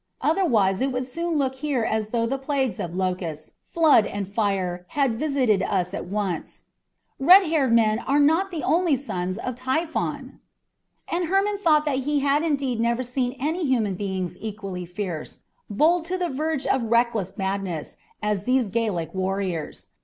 Otherwise it would soon look here as though the plagues of locusts, flood, and fire had visited us at once. Red haired men are not the only sons of Typhon!" And Hermon thought that he had indeed never seen any human beings equally fierce, bold to the verge of reckless madness, as these Gallic warriors.